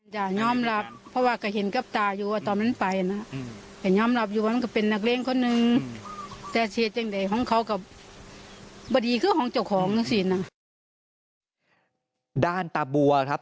ด้านตาบัวครับ